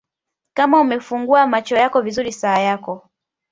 Kama umefungua macho yako vizuri saa yako